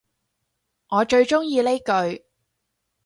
我最鍾意呢句